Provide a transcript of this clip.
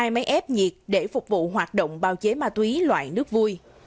hai máy ép nhiệt để phục vụ hoạt động bào chế ma túy loại nước vui